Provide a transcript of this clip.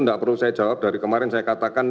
tidak perlu saya jawab dari kemarin saya katakan